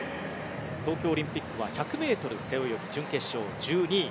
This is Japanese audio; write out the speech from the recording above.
東京オリンピックは１００ｍ背泳ぎ準決勝１２位。